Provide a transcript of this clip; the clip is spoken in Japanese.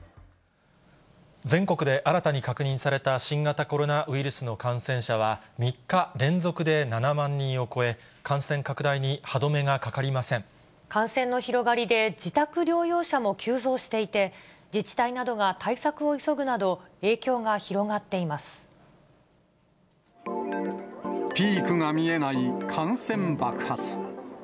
全国で新たに確認された新型コロナウイルスの感染者は３日連続で７万人を超え、感染の広がりで自宅療養者も急増していて、自治体などが対策を急ぐなど、影響が広がっていまピークが見えない感染爆発。